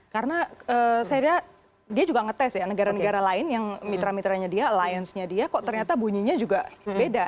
karena saya lihat dia juga ngetes ya negara negara lain yang mitra mitranya dia alliance nya dia kok ternyata bunyinya juga beda